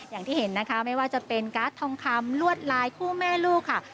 อย่างที่เห็นนะคะไม่ว่าจะเป็นการ์ดทองคำลวดลายคู่แม่ลูกค่ะ